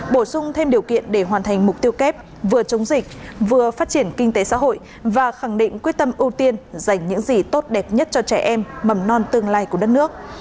bổ sung thêm điều kiện để hoàn thành mục tiêu kép vừa chống dịch vừa phát triển kinh tế xã hội và khẳng định quyết tâm ưu tiên dành những gì tốt đẹp nhất cho trẻ em mầm non tương lai của đất nước